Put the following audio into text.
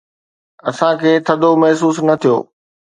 اسان کي ٿڌو محسوس نه ٿيو.